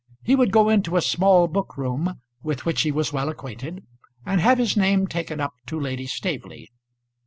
He would go into a small book room with which he was well acquainted, and have his name taken up to Lady Staveley.